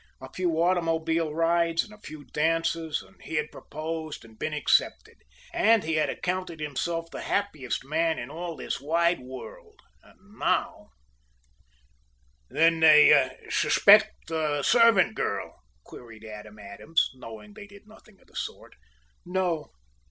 A few automobile rides and a few dances, and he had proposed and been accepted, and he had counted himself the happiest man in all this wide world. And now "Then they suspect the servant girl?" queried Adam Adams, knowing they did nothing of the sort. "No!"